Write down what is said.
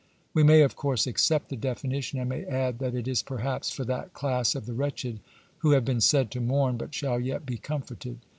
We may of course accept the defini tion, and may add that it is perhaps for that class of the wretched who have been said to mourn but shall yet be comforted.